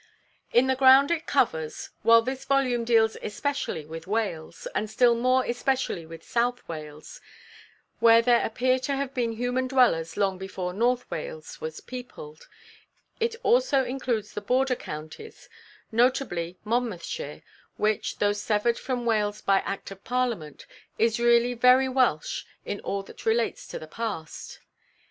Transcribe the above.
In the ground it covers, while this volume deals especially with Wales, and still more especially with South Wales where there appear to have been human dwellers long before North Wales was peopled it also includes the border counties, notably Monmouthshire, which, though severed from Wales by Act of Parliament, is really very Welsh in all that relates to the past.